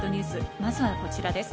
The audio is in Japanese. まずはこちらです。